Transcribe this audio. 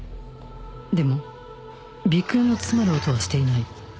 でも鼻腔の詰まる音はしていない